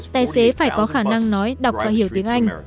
tài xế phải có khả năng nói đọc và hiểu tiếng anh